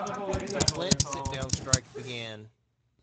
The Flint sit-down strike began.